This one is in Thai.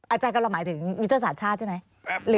อาจารย์ก็หมายถึงวิทยาศาสตร์ชาติใช่ไหม